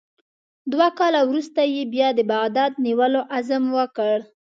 دوه کاله وروسته یې بیا د بغداد د نیولو عزم وکړ.